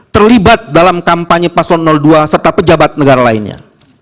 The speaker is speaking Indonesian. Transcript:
terlibat dalam kampanye paslon dua serta pejabat negara lainnya